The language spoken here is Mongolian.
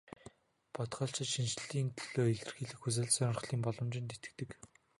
Бодгальчид шинэчлэлийн төлөө эрэлхийлэх хүсэл сонирхлын боломжид итгэдэг.